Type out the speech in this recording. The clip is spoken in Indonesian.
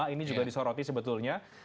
ini juga disoroti sebetulnya